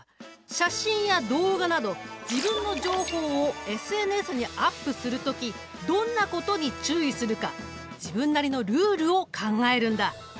写真や動画など自分の情報をＳＮＳにアップする時どんなことに注意するか自分なりのルールを考えるんだ！